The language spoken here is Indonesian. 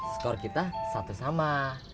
skor kita satu sama